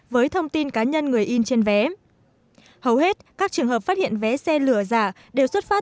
với thông tin cá nhân người in trên vé hầu hết các trường hợp phát hiện vé xe lửa giả đều xuất phát